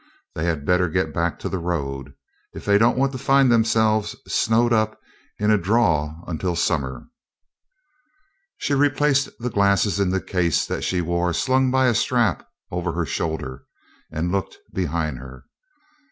They had better get back to the road, if they don't want to find themselves snowed up in a draw until summer." She replaced the glasses in the case that she wore slung by a strap over her shoulder, and looked behind her.